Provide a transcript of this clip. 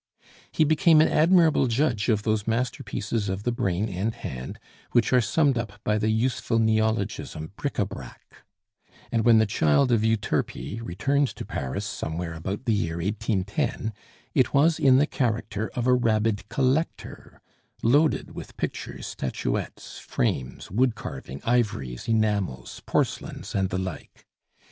He became an admirable judge of those masterpieces of the brain and hand which are summed up by the useful neologism "bric a brac;" and when the child of Euterpe returned to Paris somewhere about the year 1810, it was in the character of a rabid collector, loaded with pictures, statuettes, frames, wood carving, ivories, enamels, porcelains, and the like.